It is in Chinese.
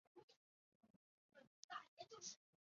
它是遗传物质的最小单位。